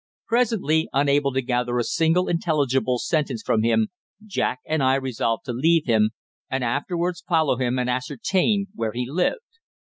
Presently, unable to gather a single intelligible sentence from him, Jack and I resolved to leave him, and afterwards follow him and ascertain where he lived.